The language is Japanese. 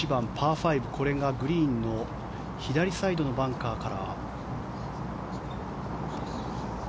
５これがグリーンの左サイドのバンカーから。